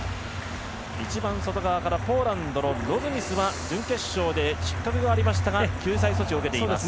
一番外側のポーランドのロズミスは準決勝で失格がありましたが救済措置を受けています。